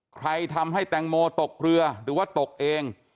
ทำให้แตงโมตกเรือหรือว่าตกเอง